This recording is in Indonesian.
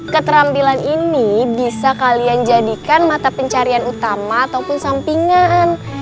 keterampilan ini bisa kalian jadikan mata pencarian utama ataupun sampingan